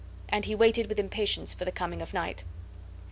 And he waited with impatience for the coming of night.